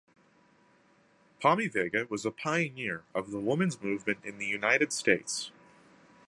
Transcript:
Pommy Vega was a pioneer of the women's movement in the United States.